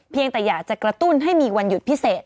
แต่อยากจะกระตุ้นให้มีวันหยุดพิเศษ